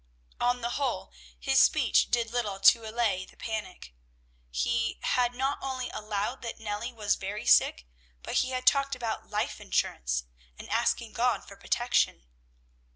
On the whole, his speech did little to allay the panic. He had not only allowed that Nellie was very sick, but he had talked about "life insurance," and asking God for protection.